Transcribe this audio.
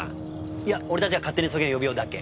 いや俺たちが勝手にそげん呼びよるだけ。